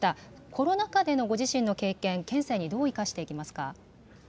コロナ禍でのご自身の経験、県政にどう生かしていきますか。